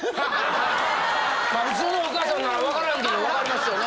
普通のお母さんなら分からんけど分かりますよね。